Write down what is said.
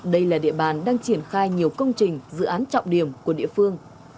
đây là địa bàn đang triển khai nhiều công trình dự án trọng điểm của địa phương